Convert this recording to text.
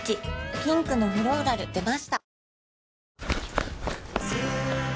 ピンクのフローラル出ました